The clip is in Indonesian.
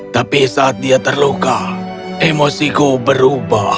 tapi saat dia terluka emosiku berubah